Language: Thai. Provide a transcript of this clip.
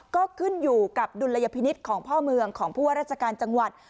ก็ขึ้นอยู่กับดุลยพินิษฐ์ของพ่อเมืองของผู้ว่าราชการจังหวัด